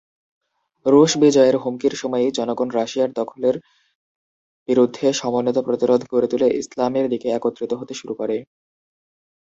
রুশ বিজয়ের হুমকির সময়েই জনগণ রাশিয়ার দখলের বিরুদ্ধে সমন্বিত প্রতিরোধ গড়ে তুলে ইসলামের দিকে একত্রিত হতে শুরু করে।